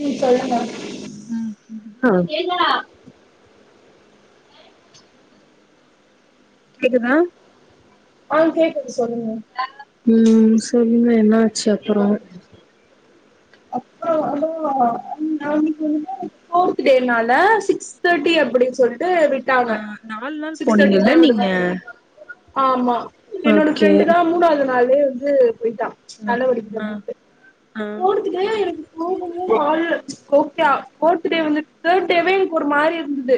ம் சொல்லுங்க கேக்குதா ஆ கேக்குது சொல்லுங்க ம் சொல்லுங்க என்னாச்சு அப்புறம் [unintelligible] [unintelligible] நாளைக்கு வந்து ஃபோர்த் டேனால சிக்ஸ் தேர்ட்டி அப்படின்னு சொல்லிட்டு விட்டு செட் ஆ ஆவ்ல நாலு நாள் சிக்ஸ் தாட்டிக்கு போனீங்கல்ல தா நீங்க விடுவோ ஆமா என்னோட ஓகே ஃப்ரெண்டு தா மூணாவ்து நாளு வந்து போய்ட்டா ஆ‌ ஆ ஓ இதுக்கு எனக்கு போகுமோனு பாலு ஓக்யா ஃபோர்த் டே வந்து தேர்ட் டேவே எனக்கு ஒரு மாத்ரியாவே இருந்தது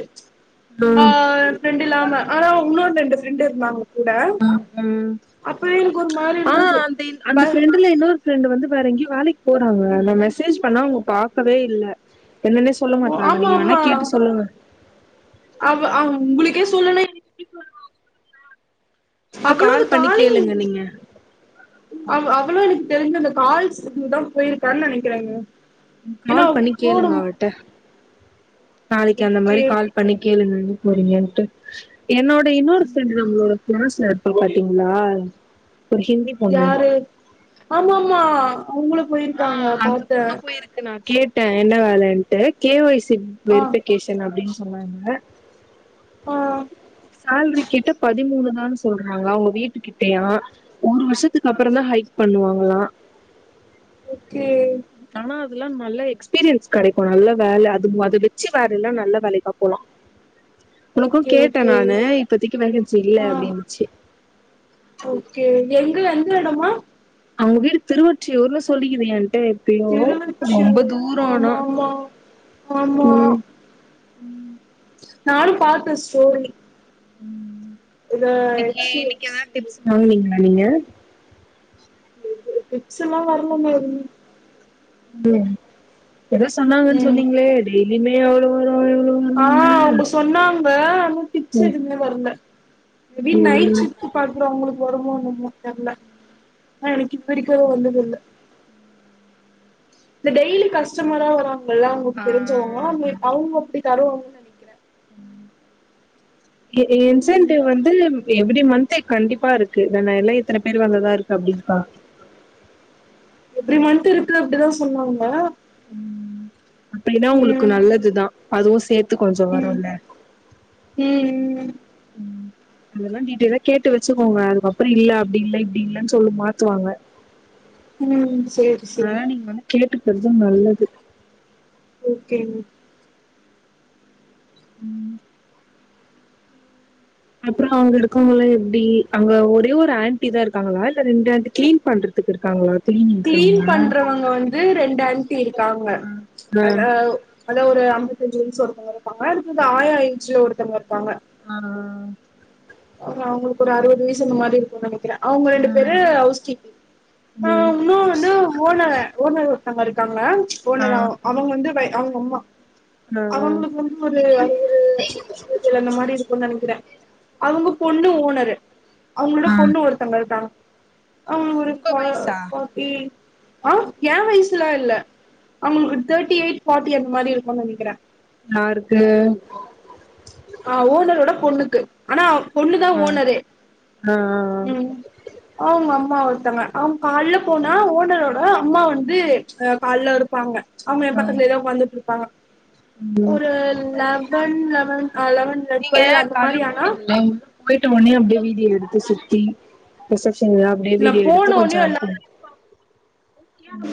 ஆ ம் ஃப்ரெண்ட்ல்லாம ஆனா உன்னோன்டு ரெண்டு ஃப்ரெண்டு இருந்தாங்க கூட உம் ம் அப்பவே எனக்கு ஒரு மாரி ஆ இருந்தது அந்த ப அந்த ஃப்ரெண்டு்ல இன்னொரு ஃப்ரெண்ட் வந்து வேற எங்கேயோ வேலக்கீ போறாங்க நா மெசேஜ் பண்ணா அவ்ங்க பாக்கவே இல்ல என்னன்னே சொல்ல மாட்டறாங்க ஆமா நீங்க வேனா கேட்டு சொல்லுங்க அவ் அவர் உங்களுக்கே சொல்லலை சும்மா அவ்ளோ அது கால் பண்ணி காலிங் கேளுங்க நீங்க அவ் அவ்ளு எனக்கு தெரிஞ்சு அந்த கால்ஸ் சென்டர்க்கு தா போயிருக்கான்னு நெனக்கிறேங்க என்னா கால் பண்ணி போதும் நாளக்கீ அந்த மாரி கால் பண்ணி கேளுங்க எங்க போறீங்கன்ட்டு என்னோட இன்னொரு ஃப்ரண்டு நம்ளோட க்ளாஸ்ல இருப்பா பாத்தீங்களா ஒரு ஹிந்தி பொண்ணு யாரு ஆமாம்மா அவ்ங்களு போய்ருக்காங்க பாத்தே பேருக்கு நான் கேட்டே என்ன வேலன்ட்டு கே ஒய் சி ஆ வெரிஃபிகேஷன் அப்டின்னு சொன்னாங்க ஆ சால்ரி கேட்டா பதிமூணுதானு சொ சொல்றாங்க அவ்ங்க வீட்டு கிட்டயா ஒரு வருஷத்துக்கு அப்றோ தா ஹைக் பண்ணுவாங்களா ஓக்கே ஆனா அதெல்லா நல்ல எக்ஸ்பீரியன்ஸ் கடைக்கும் நல்ல வேல அது அத வெச்சு வேற எல்லாம் நல்ல வேலைக்கா போலா உனக்கும் ஓகே கேட்டே ஓகே நானு இப்பத்திக்கு வேகன்சி இல்ல ஆ அப்டின்னுச்சு ஓகே எங்க எந்த இடமா அவ்ங்க வீடு திருவற்றியூர்னு சொல்லிக்கீது ஏன்ட்டே [unintelligible] ரொம்ப திருவொற்றியூர் தூரோ ஆனா ஆமா ஆமா ஆமா உம் உம் நானு பாத்தே ஸ்டோரி உம் இத இன்னக்கீ எச் டி எஃப் இன்னீக்கீ ஏதாவ்து சி டிப்ஸ் வாங்குவீங்களா நீங்க டிபஸ் எல்லா வரல மா எதுவு உம் எதோ சொன்னாங்கன்னு ம் சொன்னீங்களே டெய்லியுமே அவ்ளோ வரு இவ்ளோ ஆ அவுங்க சொன்னாங்க டிப்ஸ் எதுமே வரல எப்டி நைட் ஷிப்ட் பா க்குறவுங்களுக்கு வருமோ என்னமோ தெர்ல ஆனா எனக்கு இதுவரக்கு வந்ததேதில்ல இந்த டெய்லி கஸ்டமரா வருவாங்கல்ல ஆ அவ்ங்களுக்கு தெருஞ்சவங்க அவ்ங்க அப்டி தருவாங்க நெ இது ம் இன்சென்ட்டிவ் வந்து எவ்ரி மந்த்து கண்டிப்பா இருக்கு வேன்னா எல்லா இத்தன பேர் வந்ததா இருக்கு அப்டின்கா எவ்ரி மன்த் இருக்கு அப்டிதா சொன்னாங்க உம் அப்டின்னா உங்களுக்கு ம் நல்லதுதான் அதுவு சேர்த்து கொஞ்சோ வரும்ல்ல ம் ம் உம் அதெல்லா டீட்டெய்லா கேட்டு வச்சுக்கோங்க அதுக்கப்றோ இல்ல அப்‌டி இல்ல இப்டி இல்லன்னு சொல்லி மாத்துவாங்க ம் சேரி சேரி அதா‌ நீங்க வந்து கேட்டுக்குறது நல்லது ஓகேங்க ம் அப்றோ அவுங்க இருக்காங்களா எப்டி அங்க ஒரே ஒரு ஆன்ட்டி தா இருக்காங்களா இல்ல ரெண்டு ஆண்டி கிளீன் பண்றதுக்கு இருக்காங்களா கிளீனிங்க்கு கிளீன் அவுங்க பண்றவங்க வந்து ரெண்டான்ட்டி இருக்காங்க அ அதா ஒரு ஐம்பத்தஞ்சு வயசு ஒருத்தவங்க இருப்பாங்க அதுக்கு வந்து ஆயா ஏஜ்ல ஒருத்தவங்க இருப்பாங்க ஆ அவங்களுக்கு ஒரு அறுவது வயசு இந்த மாரி இருக்கு நினைக்கிறே அவங்க ரெண்டு பேரு ஹவுஸ் கீப்பிங் ஆ ம், இன்னு வந்து ஓனரு ஓனர் ஒருத்தங்க இருக்காங்க ஆ ஓனர் அ அவுங்க வந்து வெ அவுங்க அம்மா ஆ அவுங்களுக் வந் இன்ன ஒரு அது ஒரு அந்த மாரி இருக்குன் நெனைக்கிறே அவுங்க பொண்ணு ஓனரு அவுங்களோட ஆ பொண்ணு ஒருத்தங்க இருக்காங்க அவ ஒரு உங்க கா வயசா காபி ஆ ஏ வயசுலா இல்ல அவுங்களுக்கு தேர்டி எயிட் ஃபார்டி அந்த மாரி இருக்குனு நெனைக்கே யார்க்கு ஆ ஓனரோட பொண்ணுக்கு ஆனா பொண்ணுதா ஓனரே ஆ ம் அவுங்க அம்மா ஒருத்தங்க அவுங்க காலைல போனா ஓனரோட அம்மா வந்து காலைல இருப்பாங்க அவுங்க என் ஆ ம் பக்கத்துலதா உக்காந்துட்டுருப்பாங்க ம் ஒரு லெவன் லெவன் லெவன் நீங்க டுவெல் அந்த காலைல மாரி ஆனா கூப்ட்டீங்க போயிட்ட உடனே அப்டியே வீடியோ எடுத்து சுத்தி ரிசப்ஷன்லா அப்டியே நா வீடியோ எடுத்து போனோனே கொஞ்சோ எல்லாரு அனுப்புனோ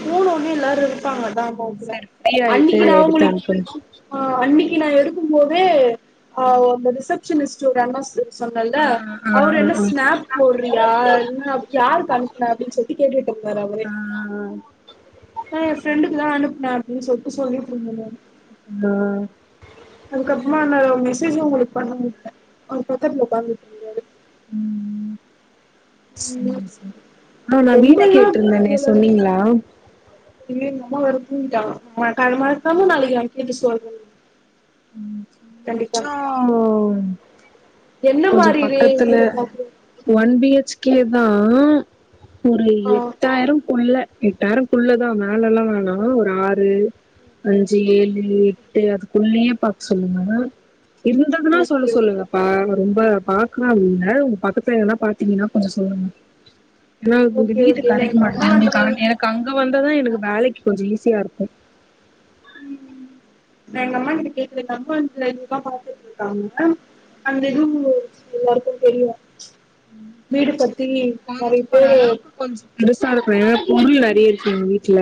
போனோனே எல்லாரு இருப்பாங்கதா போத்துல சரி ஃப்ரீ ஆயிட்டு அன்னைக்கு நா எடுத்து அவுங்களுக் அனுப்புங்க ஆ அன்னைக்கு நா எடுக்கும் போதே அ அந்த ரிசபஷனிஸ்ட் ஒரு அண்ணா சொன்னேல ஆ ஆ ஆ அவரு ஆ என்ன ஆ ஸ்னாப் போட்றியா என்ன யாருக் அனுப்புனார்னு சொல்ட்டு கேட்டுட்டு இருந்தாரு அவரே ம் நா எ ஃப்ரெண்டுக்கு தா அனுப்புனே அப்டின்னு சொல்ட்டு சொல்லிட்டு இருந்துருக்காரு ம் அதுக்கப்றமா நா மெசேஜு உங்களுக்கு பண்ண முடில அவர் பக்கத்துல உக்காந்துருந்தார் ம் ம் ஆ நா ரொம்ப வீண எல்லா கேட்ருந்தேனே சொன்னீங்ளா இன்னிக் எங்க அம்மா வேற தூங்கிட்டாங்க காலைல மறக்காம நாளைக்கு கேட்டு சொல்றே ம் கண்டிப்பா சோ என்ன கொஞ்சோ மாரி ரே பக்கத்துல இதுல பாக்குற ஒன் பி ஹச் கே தா ஒரு ஆ எட்டாயிரம் குள்ள எட்டாயிரம்க்குள்ளதா மேலலா வேணா ஒரு ஆறு அஞ்சு ஏழு எட்டு அது உள்ளயே பாக்க சொல்லுங்க இருந்ததுன்னா சொல்ல ஓகே சொல்லுங்க ஓகே ஆ ரொம்ப பாக்கலாம் இல்ல உங்க பக்கத்துல எதுனா பாத்தீங்கன்னா கொஞ்சோ சொல்லுங்க ஏனா உங்க ஓகே வீட்டு ஓகே இல்ல கடைக்க எங்க அம்மா மாட்டேது வந்து எங்களுக்கு எனக்கு அங்க வந்தாதா எனக்கு வேலைக்கு கொஞ்சோ ஈஸியாருக்கு நா எங்க அம்மா கிட்ட கேக்குலங்க அம்மா ஐ ரூபா பாத்துட்டுருக்காங்க அந்த இதுவு எல்லாருக்கு தெரியு வீடு பத்தி நெறைய பேரு பெருசாருக்கனு ஏனா பொருள் நெறைய இருக்கு எங்க வீட்ல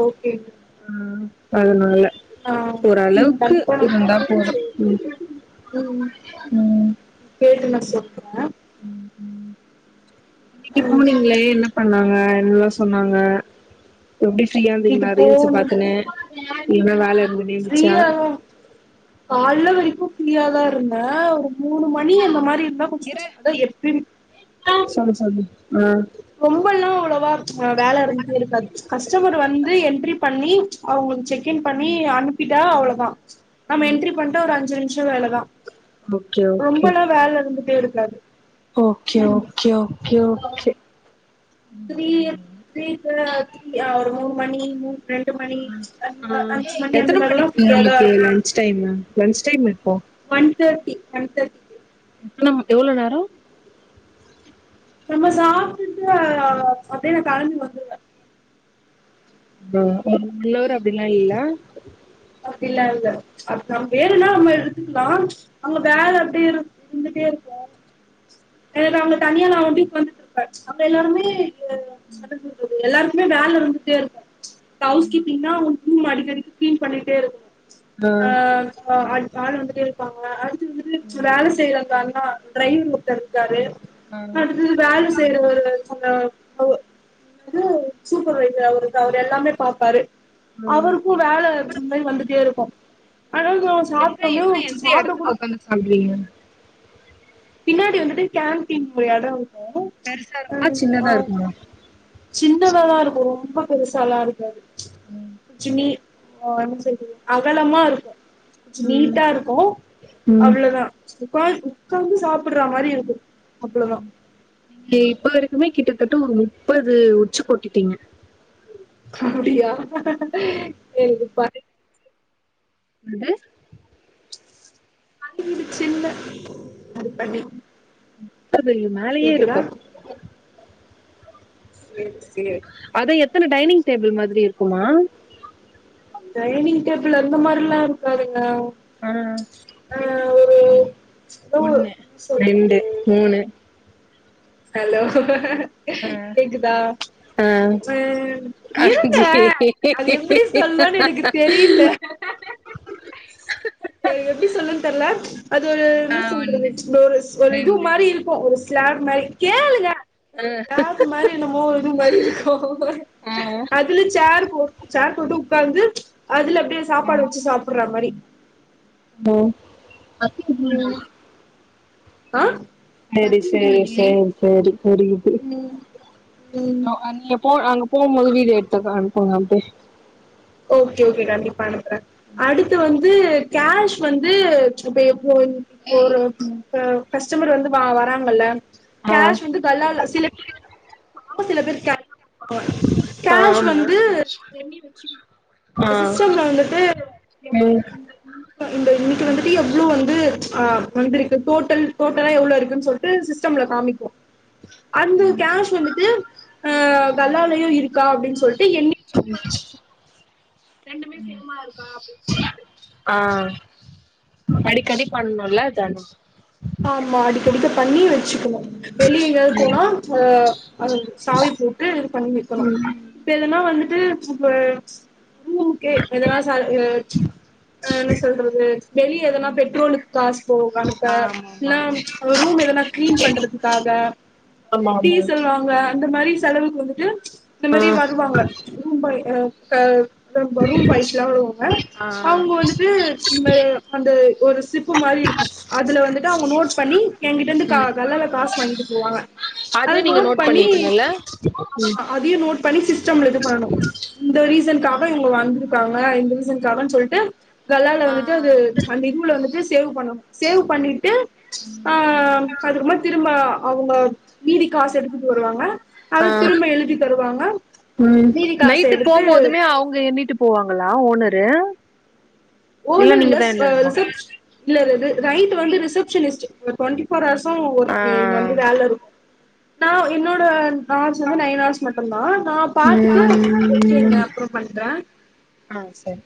ஓகேங்க ம் அதனால ஆ ம் ஓரளவுக்கு கண்டிப்பா நா இருந்தா கேட்டு போதும் சொல்றே ம் ம் கேட்டு நா சொல்றே இன்னைக்கு ம் போனீங்களே என்ன பண்ணாங்க என்னலா சொ சொன்னாங்க எப்டி ஃபிரீயா இது இருந்தீங்ளா ரீல்ஸ் போனு பாத்துனு இன்னைக் னா வேல இரு ஃப்ரீயாலும் கால்ல வரைக்கு ஃப்ரீயாதா இருந்தே மூணு மணி அந்த மாரி இருந்தா கொஞ் அத எப்பிரிப் சொல்லு சொல்லு அ ரொம்பெல்லா அவ்ளவா வேல இருந்துட்டே இருக்காது கஸ்டமர் வந்து என்ட்ரி பண்ணி அவுங்க செக் இன் பண்ணி அனு ப்பிட்டா அவ்ளோதா நம்ம என்ட்ரி பண்ட்டா ஒரு அஞ்சு நிம்ஷ வேலதா ஓகே ரொம்பெல்லா வேல இருந்துட்டே இருக்காது ஓக்கே ஓக்கே ஓக்கே ஓக்கே த்ரீயத் த்ரீ தே த்ரீ அ ஒரு மூணு மணி மூ ரெண்டு மணி அ ஆ அஞ்சு மணி எத்தன அந்தநேரல்லா மணிக்கு ஃப்ரீயாதா உங்களுக்கு இருக்கு லன்ச் டைமு லன்ச் டைம் இப்போ ஒன் தேர்ட்டி ஒன் தேர்ட்டி எத்தன ம் எவ்ளோ நேரோ நம்ம சாப்ட்டுட்டு அ அப்டியே நா கெளம்பி வந்துரு ஆ ஒரு ஒன் அவர் அப்டில்லா இல்ல அப்டிலா இல்ல அப் நம் வேணுன்னா நம்ம எடுத்துக்லா அங்க வேல அப்டி இரு ந்துட்டே இருக்கு ஏனா அங்க தனியா நா வந்து உக்காந்துட்ருப்பே அங்க எல்லாருமே [inaudible] என்ன சொல்றது எல்லாருக்குமே வேல இருந்துட்டே இருக்கு ஹவுஸ் கீப்பிங்னா ரூம் அடிக்கடிக்கு கிளீன் பண்ணிட்டே இருக்கனு ஆ அ அ ஆளு வந்துட்டே இருப்பாங்க அ [unintelligible] வேல செய்யற அந்த அண்ணா டிரைவர் ஒருத்தர் இருக்காரு ஆ ம் வேல செய்றவரு சொன்னாரு என்னது சூப்பர்வைசர் அவரு அவர் எல்லாமே பாப்பாரு ஆ அவருக்கு வேல ல் வந்துட்டே இருக்கு ஆனா நா சாப்ட்டவுன்னேவு சாப்ட கூட என்ன சாப்டுவீங்க பின்னாடி வந்துட்டு கேன்டீன் ஒரு எடோ ஆ ஒன்னு சின்னதா இருக்குமா [unintelligible] சின்னதாதா இருக்கு ரொம்ப பெருசாலா இருக்காது ஜுமி நா என்னன் சொல்றது அகலமா இருக்கு ஞ்ச ம் நீட்டா இருக்கு ம் அவ்ளோதா போய் உக்காந்து சாப்புட்ற மாரி இருக்கு அவ்ளோதா நீ இப்ப வரைக்குமே கிட்டத்தட்ட ஒரு முப்பது உச்சு கொட்டிட்டீங்க அப்டியா எனக்கு ப அது சின்ன அது பண்ணி த்தா பெரிய மேலயே ஓகேவா இருக்கு சேரி சே அது எத்தன டைனிங் டேபிள் மாதிரி இருக்குமா டைனிங் டேபிள் அந்த மாரில்லா இருக்காதுங்க ஆ ஆ ஒரு ஏதோ ஒண்ணு என்ன ரெண்டு சொல்றது மூணு ஹலோ கேக்குதா ஆ ம் இருங்க அஞ்சு அது எப்டி சொல்ணுன் எனக்கு தெரில அது எப்டி சொல்லுன் தெர்ல அது ஒரு என்ன சொல்றது இந்த ஒரு ஒரு இது மாரி இருக்கு ஒரு ஸ்லாப் மாரி கேளுங்க ஒரு ஸ்லாப்பு மாரி என்னமோ இது மாரி இருக்கு ஆ அதுல சேர் போ சேர் போட்டு உட்காந்து அதுல அப்டியே சாப்பாடு வச்சு சாப்பட்ற மாரி அலோ ம் [unintelligible] ஆ சேரி சேரி சேரி சேரி புரியுது ம் போ அங்க போம்போது வீடு எடுத்துக்க அனுப்புங்க அப்டியே ஓகே ஓகே கண்டிப்பா அனுப்பற அடுத்து வந் து கேஷ் வந்து இப்ப எப்ப ப்போ வரு ப்ப கஸ்டமர் வந்து வராங்கல்ல ஆ கேஷ் வந்து கல்லால சிலப் சில பேரு கே [inaudible] கேஷ் ஆமா வந்து எண்ணி வெச்சிக் ஆ சிஸ்டம்ல வந்துட்டு எவ்ளோ ம் இந்த இன்னைக்கு வந்துட்டு எவ்ளோ வந்து அ வந்திருக்கு டோட்டல் டோட்டலா எவ்ளோ இருக்குன் சொல் ட்டு சிஸ்டம்ல காமிக்கு அந்த கேஷ் வந்து அ கல்லாலயு இருக்கா அப்டின் சொல்ட்டு எண்ணி செக் பண்ணி அம்ச்சி வச்சு ரெண்டுமே சேமா இருக்கா அப்டின் சொல்லிட்டு ஆ அடிக்கடி பண்ணணுல்ல அத ஆனா ஆமா அடிக்கடிக்க பண்ணி வெச்சுக்கணு வெளியே எங்காது போனா அ அத சாவி போட்டு இது பண்ணி வெக்கணு இப்ப எதனா வந்துட்டு இப்ப [unintelligible] ஓகே எதனா ச அ என்ன சொல்றது வெளிய எதனா பெட்ரோலுக்கு காசு போ அனுப்ப ஆமாமா ரூம் எதனா கிளீன் பண்றதுக்காக ஆமா ஆமா டீசல் வாங்க அந்த மாரி செலவுக்கு வந்துட்டு இந்த ஆ மாரி வருவாங்க ரூம் பாய் ஆ க ரொம்ப ரூம் பாய்ஸ் லா வருவாங்க ஆ அவங்க வந்துட்டு இங்க அந்த ஒரு சிப்பு மாரி இருக்கு அதுல வந்து அவங்க நோட் பண்ணி எங்கிட்ட இருந்து கல்லால காசு வாங்கிட்டு போவாங்க அத நோட் பண்ணி ல ஆமா அதையு நோட் பண்ணி சிஸ்டம்ல இது பண்ணணு இந்த ரீசனுக்காக இவங்க வந்திருக்காங்க இந்த ரீசனுக்காகன் சொல்ட்டு கல்லால ஆ வந்துட்டு அது அந்த இதுவுல வந்துட்டு சேவ் பண்ணணு சேவு பண்ணிட்டு ம் அதுகப்மா திரும்ப அவங்க மீதி காசு எடுத்துட்டு வருவாங்க ஆ அது திரும்ப எழுதி தருவாங்க ம் மீதி காச நைட்டு எடுத்து போம் போதுமே அவங்க எண்ணிட்டு போவாங்களா ஓனரு ஓனர் இல்ல நீங்கதா ஸ ஆ எண்ணணுமா ரிசப்ஸ் இல்ல இது நைட் வந்துட்டு ரிசப்ஷனிஸ்ட் டுவெண்டி ஃபோர் ஹார்ஸ் ஷோ ஆ ஒர்க்கு இங்க வந்து வேலை இருக்கு நா என்னோட ஹார்ஸ் வந்து நைன் ஹார்ஸ் மட்டும் தான் நா பார்த்துட்டு ஓகேங்க ம் அப்றோ பண்றே ஆ சரி